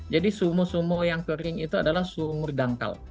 jadi sumur sumur yang kering itu adalah sumur dangkal